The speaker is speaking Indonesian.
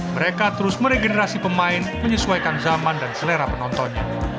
mereka terus meregenerasi pemain menyesuaikan zaman dan selera penontonnya